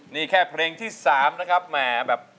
นี่แค่เพลงที่๓นะครับแหมแบบ